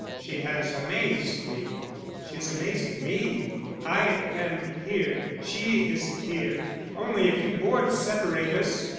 She has amazed me." "She is amazing me. I am here; she is here; only a few boards separate us.